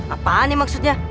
apaan nih maksudnya